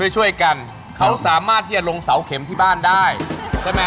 ช่วยกันเขาสามารถที่จะลงเสาเข็มที่บ้านได้ใช่ไหม